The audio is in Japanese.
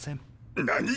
何！